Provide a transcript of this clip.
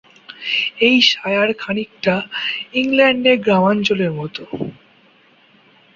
এই শায়ার খানিকটা ইংল্যান্ডের গ্রামাঞ্চলের মতো।